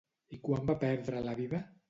I quan va perdre la vida?